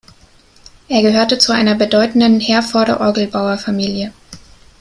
Er gehörte zu einer bedeutenden Herforder Orgelbauerfamilie.